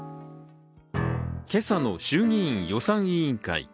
今朝の衆議院予算委員会。